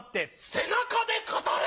背中で語れ！